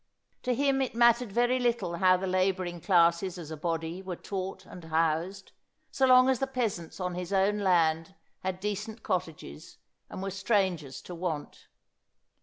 To him it mattered very little how the labouring classes as a body were taught and housed, so long as the peasants on his own land had decent cottages, and were strangers to want.